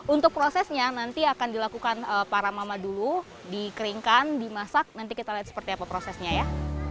untuk prosesnya nanti akan dilakukan para mama dulu dikeringkan dimasak nanti kita lihat seperti apa prosesnya ya